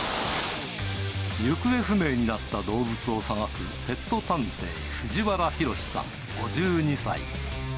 行方不明になった動物を捜すペット探偵、藤原博史さん５２歳。